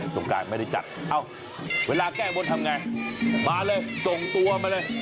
สงการไม่ได้จัดเอ้าเวลาแก้บนทำไงมาเลยส่งตัวมาเลย